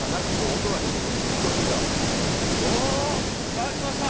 さぁ来ました！